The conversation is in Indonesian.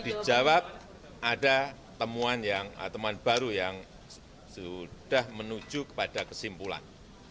dijawab ada temuan baru yang sudah menuju kepada kesimpulan